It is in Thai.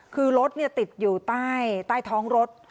คือรถติดอยู่ใต้ท้องรถ